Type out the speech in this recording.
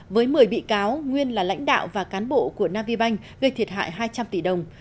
với một mươi bị cáo nguyên là lãnh đạo và cán bộ của navibank gây thiệt hại hai trăm linh tỷ đồng